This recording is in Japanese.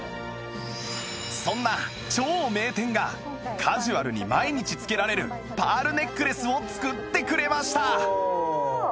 そんな超名店がカジュアルに毎日着けられるパールネックレスを作ってくれました